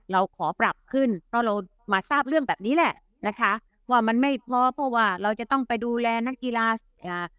เราขอปรับขึ้นเพราะเรามาทราบเรื่องแบบนี้แหละนะคะว่ามันไม่พอเพราะว่าเราจะต้องไปดูแลนักกีฬาอ่า